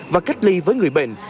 và cách ly với người bệnh